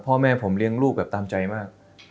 พ่อแม่ผมเลี้ยงลูกแบบตามใจมาก